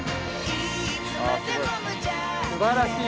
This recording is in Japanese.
すばらしい！